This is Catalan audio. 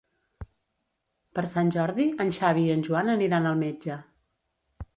Per Sant Jordi en Xavi i en Joan aniran al metge.